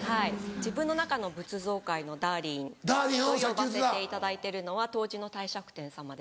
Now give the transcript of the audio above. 自分の中の仏像界のダーリンと呼ばせていただいてるのは東寺の帝釈天様です。